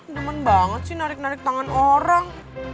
nyaman banget sih narik narik tangan orang